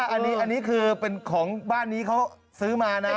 อันนี้คือเป็นของบ้านนี้เขาซื้อมานะ